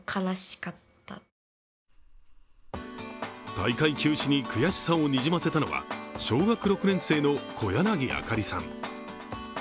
大会休止に悔しさをにじませたのは小学６年生の小柳あかりさん。